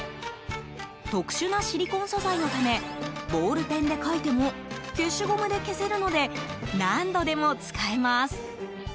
特殊なシリコン素材のためボールペンで書いても消しゴムで消せるので何度でも使えます。